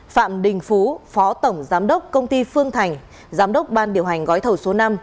phạm đình phú phó tổng giám đốc công ty phương thành giám đốc ban điều hành gói thầu số năm